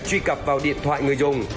truy cập vào điện thoại người dùng